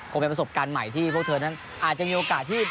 เป็นประสบการณ์ใหม่ที่พวกเธอนั้นอาจจะมีโอกาสที่